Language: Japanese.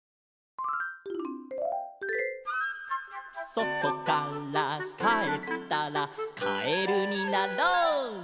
「そとからかえったらカエルになろう」